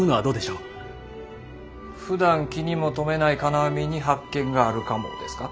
ふだん気にも留めない金網に発見があるかもですか？